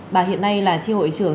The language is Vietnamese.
bà hiện nay là chi hội trưởng